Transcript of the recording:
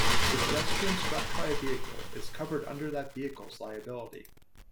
A pedestrian struck by a vehicle is covered under that vehicles liability.